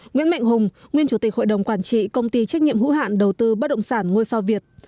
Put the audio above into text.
nguyễn mạnh hùng nguyên chủ tịch hội đồng quản trị công ty trách nhiệm hữu hạn đầu tư bất động sản ngôi sao việt